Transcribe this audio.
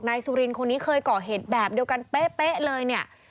สุรินคนนี้เคยก่อเหตุแบบเดียวกันเป๊ะเลยเนี่ย